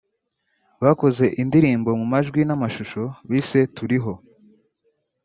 bakoze indirimbo mu majwi n’amashusho bise ‘Turiho’